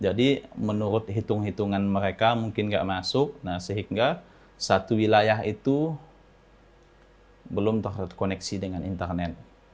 jadi menurut hitung hitungan mereka mungkin gak masuk sehingga satu wilayah itu belum terkoneksi dengan internet